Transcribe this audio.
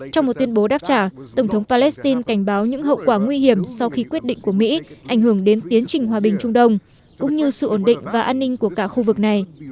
trong một tuyên bố đáp trả tổng thống palestine cảnh báo những hậu quả nguy hiểm sau khi quyết định của mỹ ảnh hưởng đến tiến trình hòa bình trung đông cũng như sự ổn định và an ninh của cả khu vực này